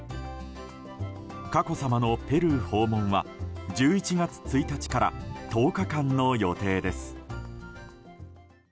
佳子さまのペルー訪問は１１月１日から１０日間の予定です。